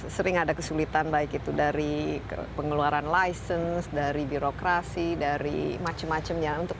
sering ada kesulitan baik itu dari pengeluaran license dari birokrasi dari macam macamnya